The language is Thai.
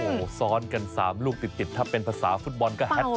โหซ้อนกันสามลูกติดถ้าเป็นภาษาฟุตบอลก็แฮดส์ตึก